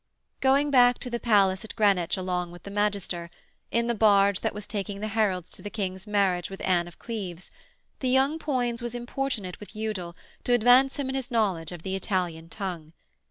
Going back to the palace at Greenwich along with the magister, in the barge that was taking the heralds to the King's marriage with Anne of Cleves, the young Poins was importunate with Udal to advance him in his knowledge of the Italian tongue.